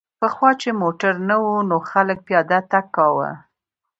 پخوا چې موټر نه و نو خلک پیاده تګ کاوه